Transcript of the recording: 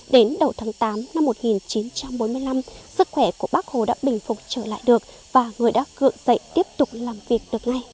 đến đầu tháng tám năm một nghìn chín trăm bốn mươi năm sức khỏe của bác hồ đã bình phục trở lại được và người đã cự dậy tiếp tục làm việc được ngay